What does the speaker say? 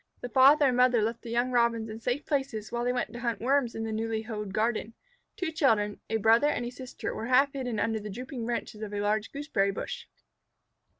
The father and mother left the young Robins in safe places while they went to hunt Worms in the newly hoed garden. Two children, a brother and a sister, were half hidden under the drooping branches of a large gooseberry bush.